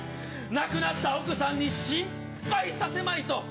亡くなった奥さんに心配させまいと